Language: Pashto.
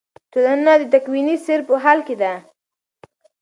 ټولنه د تکویني سیر په حال کې ده.